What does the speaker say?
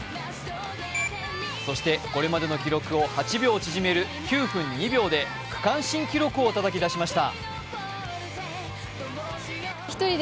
そして、これまでの記録を８秒縮める９分２秒で区間新記録をたたき出しました。